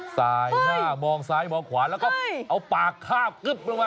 สายหน้ามองซ้ายมองขวาแล้วก็เอาปากคาบกึ๊บลงมา